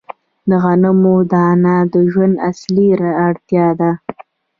د غنمو دانه د ژوند اصلي اړتیا ده.